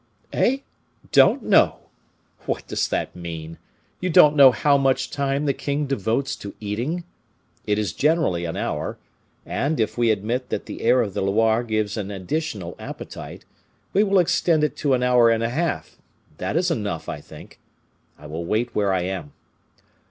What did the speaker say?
"Eh? don't know! What does that mean? You don't know how much time the king devotes to eating? It is generally an hour; and, if we admit that the air of the Loire gives an additional appetite, we will extend it to an hour and a half; that is enough, I think. I will wait where I am."